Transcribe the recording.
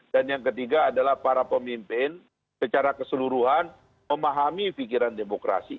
dan yang ketiga adalah para pemimpin secara keseluruhan memahami pikiran demokrasi